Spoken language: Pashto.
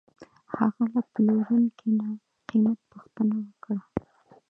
هغه له پلورونکي نه قیمت پوښتنه وکړه.